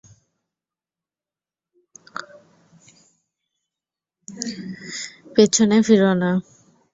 পেছনে ফিরো না।